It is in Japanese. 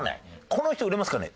「この人売れますかね？」